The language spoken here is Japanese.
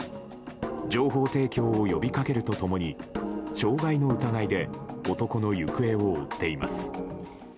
情報提供を呼びかけると共に傷害の疑いで男の行方を追っています。